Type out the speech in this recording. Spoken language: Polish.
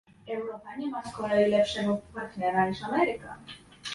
Europa nie ma z kolei lepszego partnera niż Ameryka